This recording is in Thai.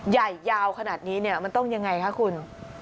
ใหญ่ยาวขนาดนี้เนี่ยมันต้องยังไงคะคุณ